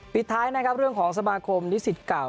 ปิดท้ายนะครับเรื่องของสมาคมนิสิตเก่า